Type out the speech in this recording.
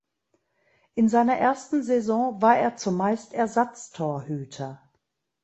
In seiner ersten Saison war er zumeist Ersatztorhüter.